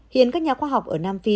hiện các nhà khoa học ở nam phi